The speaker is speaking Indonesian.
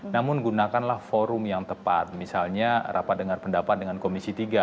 namun gunakanlah forum yang tepat misalnya rapat dengar pendapat dengan komisi tiga